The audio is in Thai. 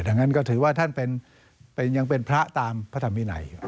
ดังนั้นก็ถือว่ายังเป็นพระตามพระธรรมินัย